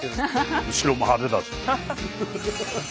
後ろも派手だ。